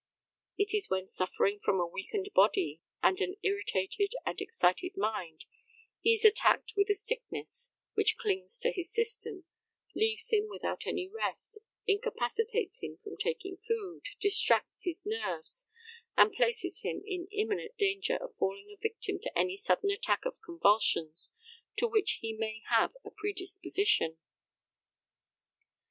It is when suffering from a weakened body, and an irritated and excited mind, he is attacked with a sickness which clings to his system, leaves him without any rest, incapacitates him from taking food, distracts his nerves, and places him in imminent danger of falling a victim to any sudden attack of convulsions to which he may have a predisposition.